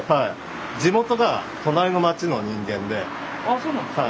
あそうなんですか？